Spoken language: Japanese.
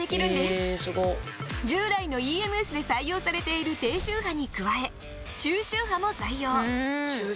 従来のＥＭＳで採用されている低周波に加え中周波も採用。